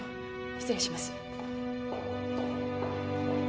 失礼します。